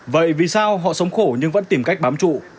vậy vì sao họ sống khổ nhưng vẫn tìm cách bám trụ